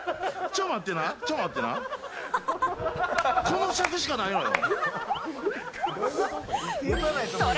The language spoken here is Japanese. この尺しかないのよ。